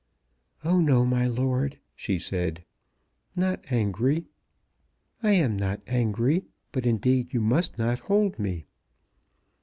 "Oh, no, my lord," she said; "not angry. I am not angry, but indeed you must not hold me."